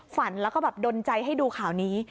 ฝันแล้วก็แบบดนใจให้ดูข่าวนี้